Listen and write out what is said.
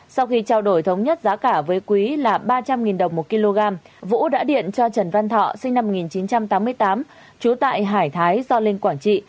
sau khi trao đổi thống nhất giá cả với quý là ba trăm linh đồng một kg vũ đã điện cho trần văn thọ sinh năm một nghìn chín trăm tám mươi tám trú tại hải thái do linh quảng trị